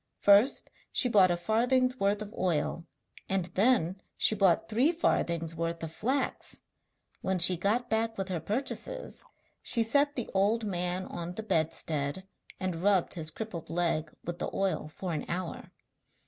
First she bought a farthing's worth of oil, and then she bought three farthings' worth of flax. When she got back with her purchases she set the old man on the bedstead and rubbed his crippled leg with the oil for an hour.